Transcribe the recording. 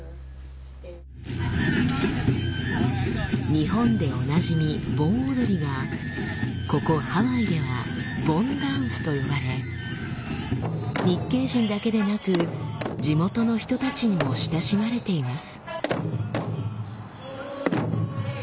日本でおなじみ「盆踊り」がここハワイでは「盆ダンス」と呼ばれ日系人だけでなく地元の人たちにも親しまれています。